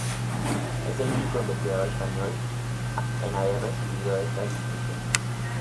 Es el único investigador español en haber recibido estas distinciones.